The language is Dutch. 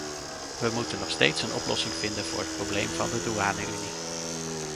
We moeten nog steeds een oplossing vinden voor het probleem van de douane-unie.